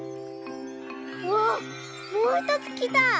わっもうひとつきた！